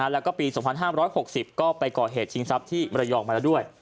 แล้วก็ปี๒๕๖๐ก็ไปก่อเหตุชิงทรัพย์ที่มรยองมาแล้วด้วย